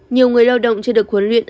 nhiều người lao động chưa được huấn luyện